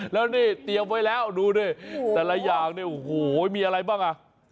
แล้วนี่เตรียมไว้แล้วดูนี่แต่ละอย่างโอ้โหมีอะไรบ้าง